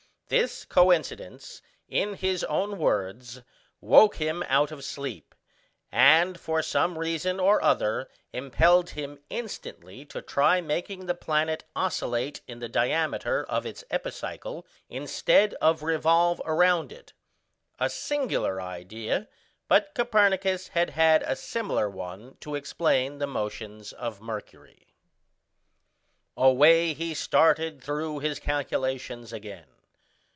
This coincidence, in his own words, woke him out of sleep; and for some reason or other impelled him instantly to try making the planet oscillate in the diameter of its epicycle instead of revolve round it a singular idea, but Copernicus had had a similar one to explain the motions of Mercury. [Illustration: FIG. 31. Mode of drawing an ellipse. The two pins F are the foci.] Away he started through his calculations again.